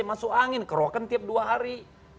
masuk angin kerokan tiap dua hari